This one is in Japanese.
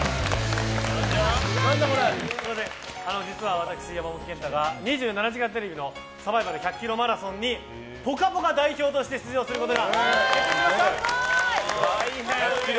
実は私、山本賢太が「２７時間テレビ」のサバイバル１００ｋｍマラソンに「ぽかぽか」代表として出場することが決まりました。